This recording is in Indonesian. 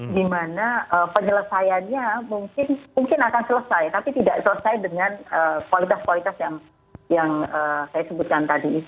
dimana penyelesaiannya mungkin akan selesai tapi tidak selesai dengan kualitas kualitas yang saya sebutkan tadi